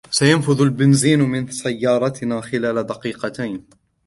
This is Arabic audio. سينفذ البنزين من سيارتنا خلال دقيقتين.